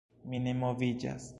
Mi ne moviĝas.